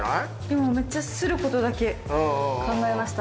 今めっちゃ擦ることだけ考えました。